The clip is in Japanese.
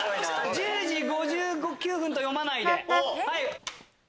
１０時５９分と読まないで。